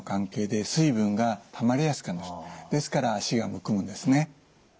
ですから脚がむくむんですね。